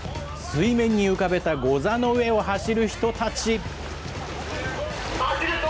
水面に浮かべたゴザの上を走る人たち。